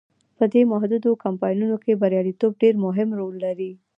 په دې محدودو کمپاینونو کې بریالیتوب ډیر مهم رول لري.